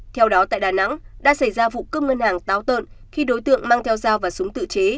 theo đó tại đà nẵng đã xảy ra vụ cướp ngân hàng táo tợn khi đối tượng mang theo dao và súng tự chế